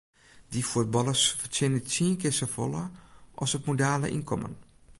Dy fuotballers fertsjinje tsien kear safolle as it modale ynkommen.